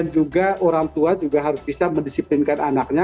dan juga orang tua juga harus bisa mendisiplinkan anaknya